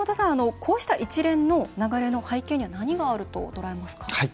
こうした一連の流れの背景には何があると捉えますか？